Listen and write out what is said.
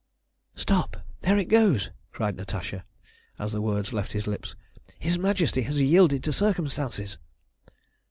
"Stop, there it goes!" cried Natasha as the words left his lips. "His Majesty has yielded to circumstances!"